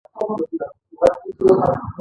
انټي سوشل سايکوپېت هم د پلان برخه مضبوطه لري